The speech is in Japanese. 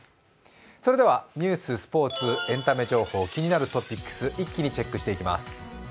それではニュース、スポーツ、エンタメ情報、気になるトピックス、一気にチェックしていきます。